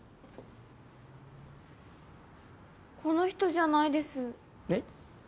この人じゃないです。え？